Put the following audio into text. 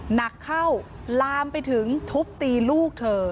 หนักเข้าลามไปถึงทุบตีลูกเธอ